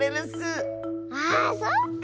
あそっか！